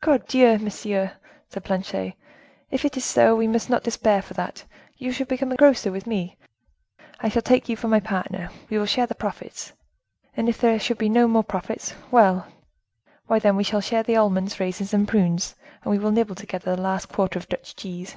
"Cordieu! monsieur!" said Planchet, "If it is so, we must not despair for that; you shall become a grocer with me; I shall take you for my partner, we will share the profits, and if there should be no more profits, well, why then we shall share the almonds, raisins and prunes, and we will nibble together the last quarter of Dutch cheese."